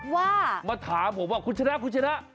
ว่ามาถามผมว่าคุณชะนักคุณชะนัก